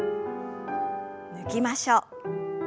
抜きましょう。